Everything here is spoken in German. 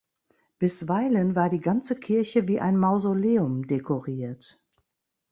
Bisweilen war die ganze Kirche wie ein Mausoleum dekoriert.